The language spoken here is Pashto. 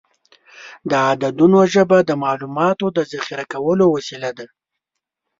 د عددونو ژبه د معلوماتو د ذخیره کولو وسیله ده.